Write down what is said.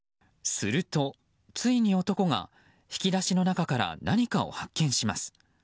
すると、ついに男が引き出しの中から何かを発見します。